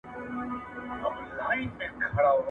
ته به کله دغه کتاب ما ته راکړې؟